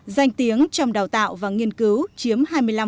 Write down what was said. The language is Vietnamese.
danh tiếng trong đào tạo và nghiên cứu chiếm hai mươi năm